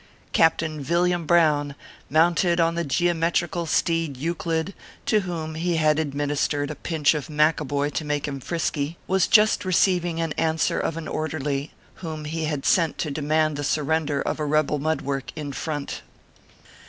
Captain Villiam Brown, mounted on the geomet rical steed Euclid, to whom he had administered a pinch of Macaboy to make him frisky was just re 344 ORPHEUS C. KERB PAPERS. ceiving the answer of an orderly, whom he htsr sent to demand the surrender of a rebel mud work in front.